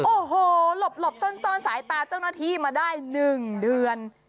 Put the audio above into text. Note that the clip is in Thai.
โอ้โหหลบซ่อนสายตาเจ้าหน้าที่มาได้๑เดือน